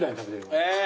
へえ。